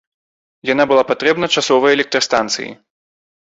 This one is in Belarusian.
Яна была патрэбна часовай электрастанцыі.